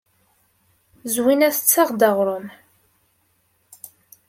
Zwina tessaɣ-d aɣrum.